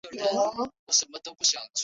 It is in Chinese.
原为泰雅族芃芃社。